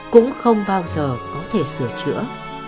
cũng không bao giờ có thể sửa chữa